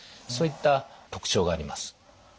そういった特徴があります。